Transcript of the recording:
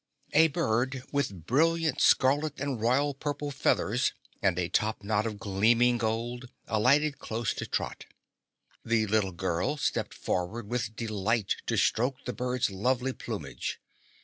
A bird with brilliant scarlet and royal purple feathers and a topknot of gleaming gold alighted close to Trot. The little girl stepped forward with delight to stroke the bird's lovely plumage.